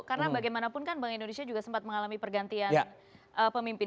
karena bagaimanapun kan bank indonesia juga sempat mengalami pergantian pemimpin